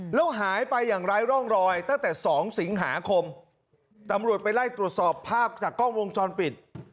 แล้วหายไปอย่างไร้ร่องรอยตั้งแต่๒สิงหาคมตำรวจไปไล่ตรวจสอบภาพจากกล้องวงจรปิด